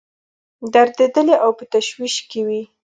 دردېدلي او په تشویش کې وي.